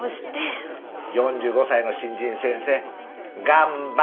４５歳の新人先生ガンバ！